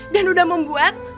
dan udah membuat